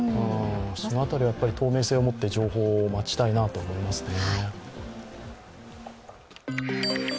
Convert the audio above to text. そのあたりは透明性を持って情報を待ちたいなと思いますね。